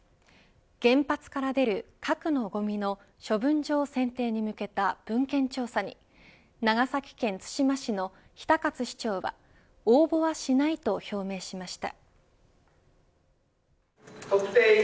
原発から出る、核のごみの処分場選定に向けた文献調査に長崎県対馬市の比田勝市長は応募はしないと表明しました。